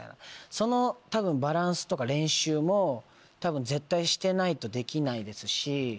そのバランスとか練習も多分絶対してないとできないですし。